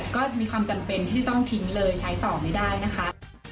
ก็มีความจำเป็นที่จะต้องทิ้งเลยใช้ต่อไม่ได้นะคะ